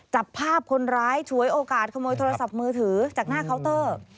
จับภาพคนร้ายฉวยโอกาสขโมยโทรศัพท์มือถือจากหน้าเคาน์เตอร์